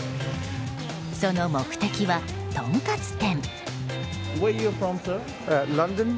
その目的は、とんかつ店。